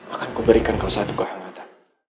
akan kau berikan kau satu kehangatan